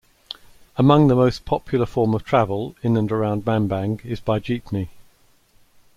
Among the most popular form of travel in and around Bambang is by jeepney.